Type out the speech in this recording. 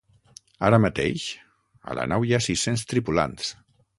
Ara mateix, a la nau hi ha sis-cents tripulants.